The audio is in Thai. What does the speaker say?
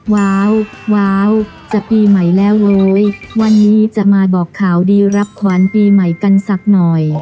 ว้าวจะปีใหม่แล้วเว้ยวันนี้จะมาบอกข่าวดีรับขวัญปีใหม่กันสักหน่อย